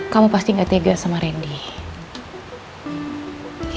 kamu pasti gak tega sama randy